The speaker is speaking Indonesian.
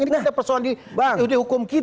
ini kan ada persoalan di hukum kita